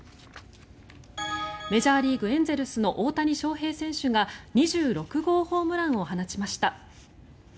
メジャーリーグエンゼルスの大谷翔平選手が２６号ホームランを放ちました。